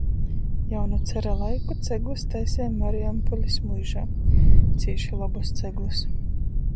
Jau nu cara laiku ceglus taiseja Mariampolis muižā. cīši lobus ceglus!